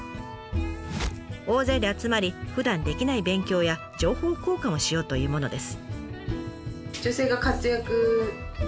大勢で集まりふだんできない勉強や情報交換をしようというものです。